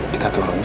kita turun ya